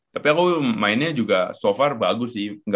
tapi aku mainnya juga so far bagus sih